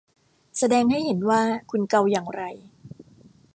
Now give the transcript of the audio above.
แสดงให้เห็นว่าคุณเกาอย่างไร